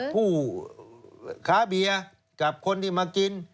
ผู้ค้าเบียร์กับคนที่มากิน